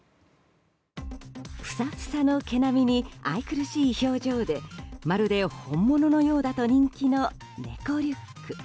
ふさふさの毛並みに愛くるしい表情でまるで本物のようだと人気の猫リュック。